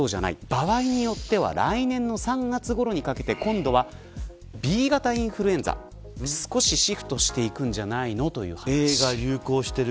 場合によっては来年の３月ごろにかけてＢ型インフルエンザにシフトしていくんじゃないのという話があります。